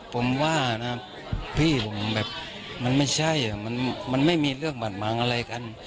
ผมว่านะพี่ผมแบบมันไม่ใช่มันไม่มีเรื่องบาดมังอะไรกัน